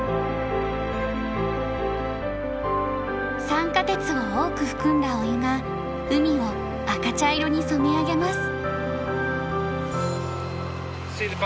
酸化鉄を多く含んだお湯が海を赤茶色に染め上げます。